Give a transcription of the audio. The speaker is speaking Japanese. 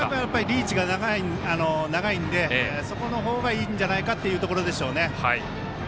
リーチが長いんでそこの方がいいんじゃないかというところでしょうね。